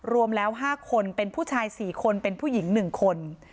รวมแล้ว๕คนเป็นผู้ชาย๔คนเป็นผู้หญิง๑คน